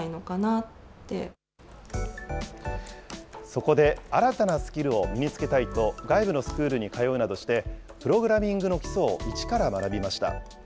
そこで、新たなスキルを身につけたいと、外部のスクールに通うなどして、プログラミングの基礎を一から学びました。